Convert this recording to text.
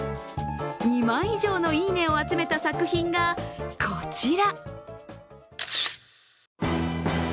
２万以上のいいねを集めた作品が、こちら。